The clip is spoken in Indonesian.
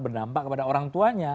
bernampak kepada orang tuanya